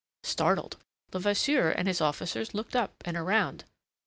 Startled, Levasseur and his officers looked up and round.